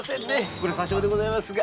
これ多少でございますが。